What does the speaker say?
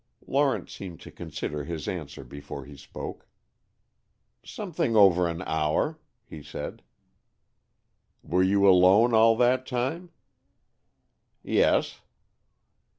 Lawrence seemed to consider his answer before he spoke. "Something over an hour," he said. "Were you alone all that time?" "Yes."